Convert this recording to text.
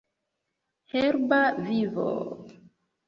Herba vivo...